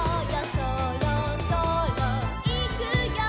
「そろそろいくよ」